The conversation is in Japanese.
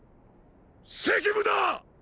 “責務”だ！